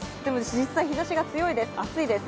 実際、日ざしが強いです、暑いです。